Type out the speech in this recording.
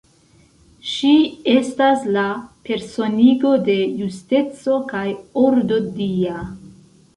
Ŝi estas la personigo de justeco kaj ordo dia.